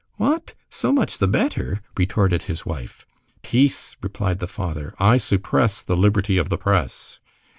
"What? So much the better?" retorted his wife. "Peace!" replied the father, "I suppress the liberty of the press."